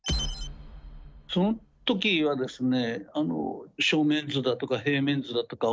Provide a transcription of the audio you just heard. その時はですね